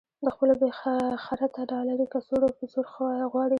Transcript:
د خپلو بې خرطه ډالري کڅوړو په زور غواړي.